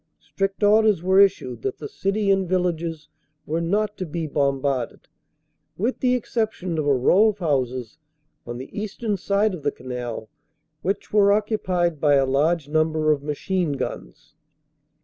Strict orders were issued that the city and villages were not to be bombarded, with the exception of a row of houses on the eastern side of the Canal which were occupied by a large number of machine guns.